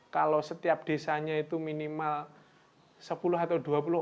kalau setiap desanya itu minimal sepuluh atau dua puluh